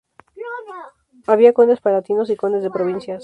Había "condes palatinos" y "condes de provincias".